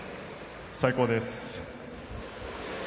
最高です。